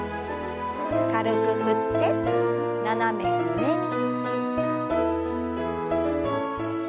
軽く振って斜め上に。